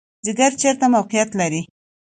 ځیګر چیرته موقعیت لري؟